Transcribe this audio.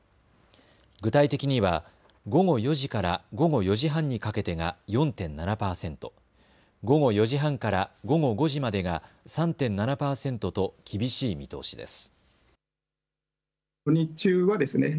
具体的には午後４時から午後４時半にかけてが４．７％、午後４時半から午後５時までが３．７％と厳しい見通しです。